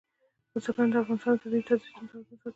بزګان د افغانستان د طبعي سیسټم توازن ساتي.